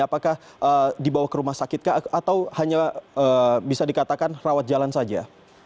apakah dibawa ke rumah sakit atau hanya bisa dikatakan rawat jalan saja